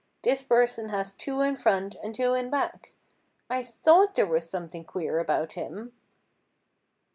This person has two in front and two in back. I thought there was something queer about him."